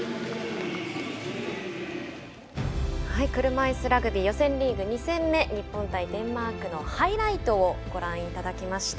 車いすラグビー予選リーグ２戦目日本対デンマークのハイライトをご覧いただきました。